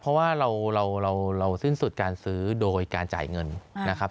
เพราะว่าเราสิ้นสุดการซื้อโดยการจ่ายเงินนะครับ